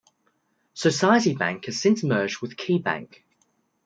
Society Bank has since merged with Key Bank.